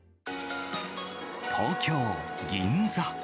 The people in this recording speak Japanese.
東京・銀座。